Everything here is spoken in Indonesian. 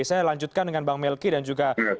saya lanjutkan dengan bang melki dan juga